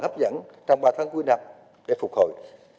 hấp dẫn trong ba tháng cuối năm để phục hồi